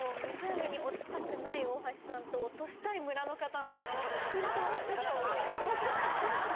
もう、湖に落ちたくない大橋さんと落としたい村の方の、あの奮闘がちょっとおもしろかったです。